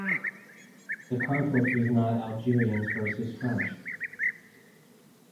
The conflict was not Algerians versus French.